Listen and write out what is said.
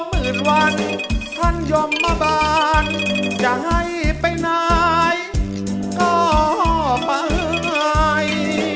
หมื่นวันท่านยมมาบานจะให้ไปไหนก็ไป